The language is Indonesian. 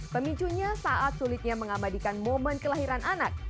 pemicunya saat sulitnya mengabadikan momen kelahiran anak